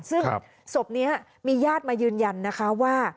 ซึ่งศพนี้มีญาติมายืนยันนะคะว่า